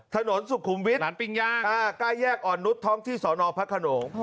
ถนนสุขุมวิทย์ใกล้แยกอ่อนนุษย์ท้องที่สอนอพระขนง